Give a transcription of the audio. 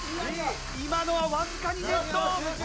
今のはわずかにネット。